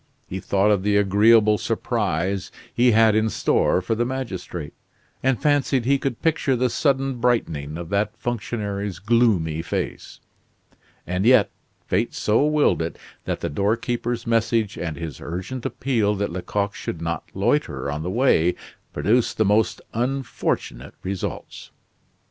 He thought of the agreeable surprise he had in store for the magistrate, and fancied he could picture the sudden brightening of that functionary's gloomy face. And yet, fate so willed it that the doorkeeper's message and his urgent appeal that Lecoq should not loiter on the way, produced the most unfortunate results.